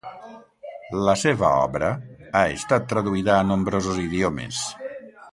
La seva obra ha estat traduïda a nombrosos idiomes.